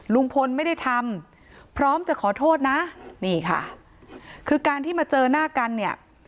ลุงพลไม่ได้ทำพร้อมจะขอโทษนะนี่ค่ะคือการที่มาเจอหน้ากันเนี่ย